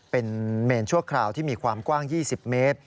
เป็นเมนชั่วคราวที่มีความกว้าง๒๐เมตร